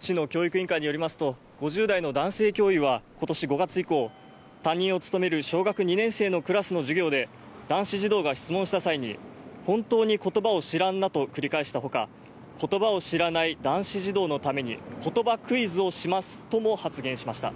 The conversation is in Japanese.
市の教育委員会によりますと、５０代の男性教諭は、ことし５月以降、担任を務める小学２年生のクラスの授業で、男子児童が質問した際に、本当にことばを知らんなと繰り返したほか、ことばを知らない男子児童のために、ことばクイズをしますとも発言しました。